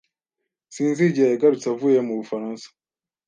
Sinzi igihe yagarutse avuye mu Bufaransa.